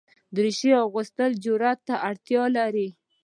دریشي اغوستل جرئت ته اړتیا لري.